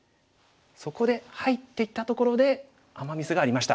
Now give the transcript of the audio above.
そこで入っていったところでアマ・ミスがありました。